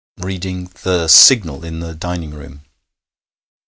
'Reading the Signal in the dining room.'